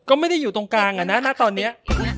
ก็ไม่ได้อยู่ตรงกลางอ่ะนะตอนนี้